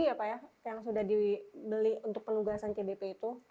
iya pak ya yang sudah dibeli untuk penugasan cbp itu